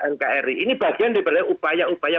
nkri ini bagian daripada upaya upaya